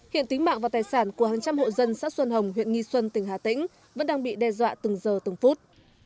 hiện tính mạng và tài sản của hàng trăm hộ dân xã xuân hồng huyện nghi xuân tỉnh hà tĩnh vẫn đang bị đe dọa từng giờ từng phút